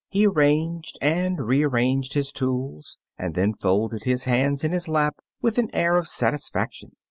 He arranged and rearranged his tools, and then folded his hands in his lap with an air of satisfaction.